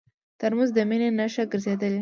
ترموز د مینې نښه ګرځېدلې.